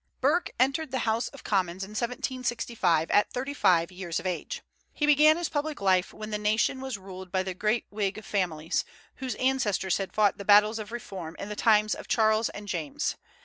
Burke entered the House of Commons in 1765, at thirty five years of age. He began his public life when the nation was ruled by the great Whig families, whose ancestors had fought the battles of reform in the times of Charles and James.